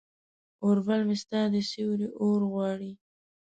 اوربل مې ستا د سیوري اورغواړي